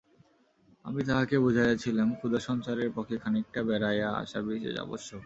আমিই তাঁহাকে বুঝাইয়াছিলাম, ক্ষুধাসঞ্চারের পক্ষে খানিকটা বেড়াইয়া আসা বিশেষ আবশ্যক।